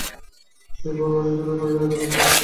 সে বলে, ওরা খেয়ালই করেনি এখানে এত বৈদ্যুতিক তার রয়েছে।